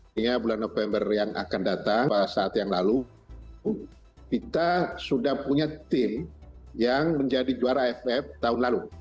sehingga bulan november yang akan datang saat yang lalu kita sudah punya tim yang menjadi juara aff tahun lalu